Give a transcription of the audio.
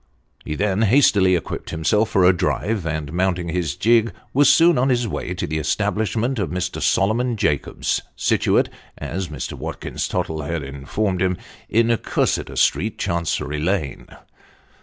He then hastily equipped himself for a drive, and mounting his gig, was soon on his way to the establishment of Mr. Solomon Jacobs, situate (as Mr. Watkins Tottle had informed him) in Cursitor Street, Chancery Lane.